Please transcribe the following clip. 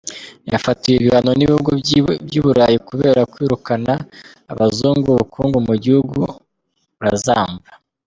Yafatiwe ibihano n’ibihugu by’i Burayi kubera kwirukana abazungu, ubukungu mu gihugu burazamba.